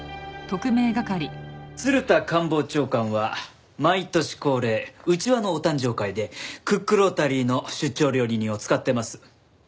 鶴田官房長官は毎年恒例内輪のお誕生会でクックロータリーの出張料理人を使ってます。